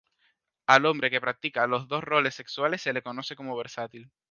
Al hombre que practica los dos roles sexuales se le conoce como versátil.